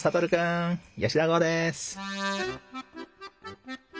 吉田豪です！